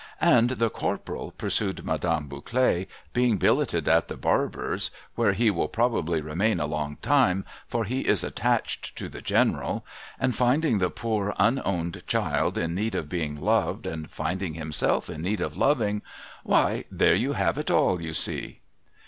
' And the Corporal,' pursued Madame Bouclet, ' being billeted at the barber's, — where he will probably remain a long time, for he is attached to the General, — and finding the poor unowned child in need of being loved, and finding himself in need of loving, — why, there you have it all, you see